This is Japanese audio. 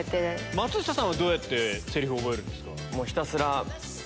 松下さんはどうやってセリフ覚えるんですか？